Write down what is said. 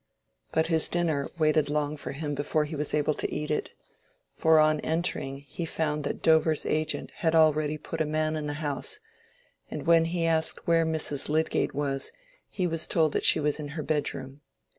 But his dinner waited long for him before he was able to eat it. For on entering he found that Dover's agent had already put a man in the house, and when he asked where Mrs. Lydgate was, he was told that she was in her bedroom.